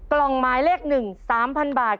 กล่องหมายเลขหนึ่ง๓๐๐๐บาท